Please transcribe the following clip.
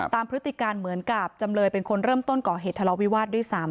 พฤติการเหมือนกับจำเลยเป็นคนเริ่มต้นก่อเหตุทะเลาวิวาสด้วยซ้ำ